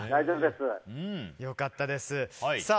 良かったです。